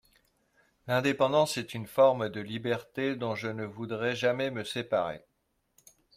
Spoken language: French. L'indépendance est une forme de liberté dont je ne voudrais jamais me séparer.